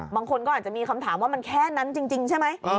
บางคนก็อาจจะมีคำถามว่ามันแค่นั้นจริงใช่ไหม